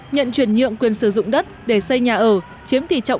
nhận chuyển nhượng quyền sử dụng đất để xây nhà ở chiếm tỷ trọng năm mươi hai chín